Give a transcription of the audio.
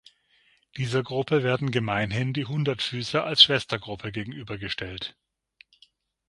Dieser Gruppe werden gemeinhin die Hundertfüßer als Schwestergruppe gegenübergestellt.